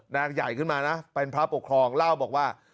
นางใหญ่ขึ้นมานะเป็นพระปกครองเล่าบอกว่า